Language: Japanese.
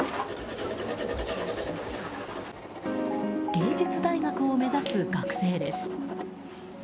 芸術大学を目指す学生です。